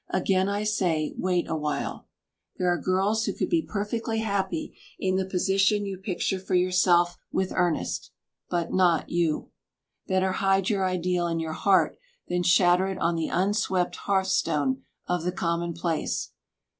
Again I say, wait awhile. There are girls who could be perfectly happy in the position you picture for yourself with Ernest, but not you. Better hide your ideal in your heart than shatter it on the unswept hearthstone of the commonplace.